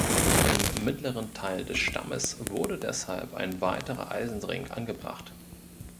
Im mittleren Teil des Stammes wurde deshalb ein weiterer Eisenring angebracht.